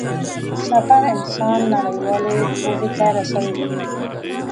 سفر انسان نړيوالې پوهې ته رسوي.